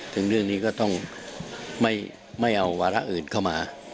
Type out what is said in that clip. ถึงเรื่องนี้ก็ต้องไม่เอาวาระอื่นเข้ามา